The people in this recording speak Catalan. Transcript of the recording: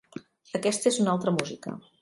Aquesta és una altra música.